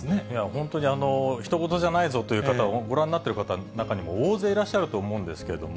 本当にひと事じゃないぞっていう方、ご覧になっている方の中にも大勢いらっしゃると思うんですけど。